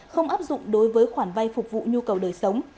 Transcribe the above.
không áp dụng đối với khoản vay phục vụ nhu cầu đời sống